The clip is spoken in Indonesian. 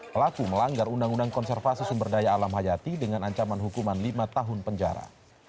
pelaku melanggar undang undang konservasi sumber daya alam hayati dengan ancaman hukuman lima tahun penjara